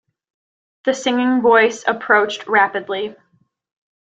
The singing voice approached rapidly.